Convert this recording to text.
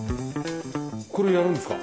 これやるんですか？